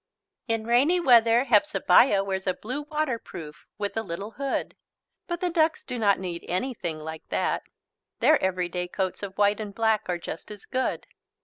In rainy weather Hepzebiah wears a blue waterproof with a little hood but the ducks do not need anything like that. Their everyday coats of white and black are just as good.